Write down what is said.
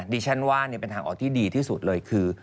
ดิฉันว่าเป็นทางออกที่ดีที่สุดเลยคือ